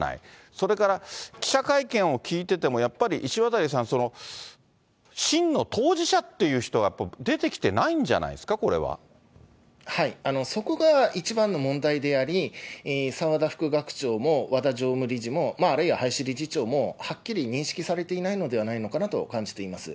それから、記者会見を聞いてても、やっぱり石渡さん、しんの当事者っていう人が、出てきてないんじゃないですか、これそこが一番の問題であり、澤田副学長も和田常務理事も、あるいは林理事長も、はっきり認識されていないのではないかなと感じています。